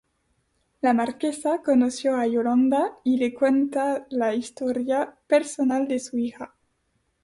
La marquesa, conoció a Yolanda y le cuenta la historia personal de su hija.